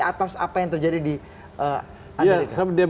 atas apa yang terjadi di amerika